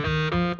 aku mau ke rumah